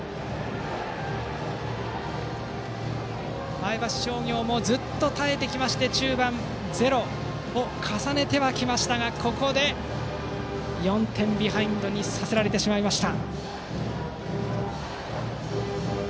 前橋商業もずっと耐えてきて中盤はゼロを重ねてはきましたがここで４点ビハインドにさせられてしまいました。